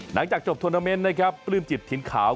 หลังจากจบทวนาเมนต์นะครับปลื้มจิตถิ่นขาว